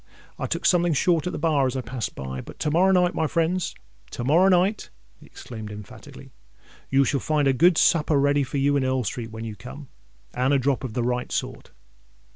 "I took something short at the bar as I passed by; but to morrow night, my friends—to morrow night," he exclaimed emphatically, "you shall find a good supper ready for you in Earl Street when you come, and a drop of the right sort."